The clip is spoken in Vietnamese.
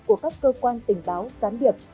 của các cơ quan tình báo giám điệp